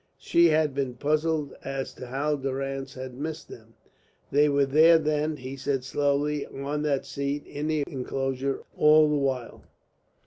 She had been puzzled as to how Durrance had missed them. "They were there then," he said slowly, "on that seat, in the enclosure, all the while."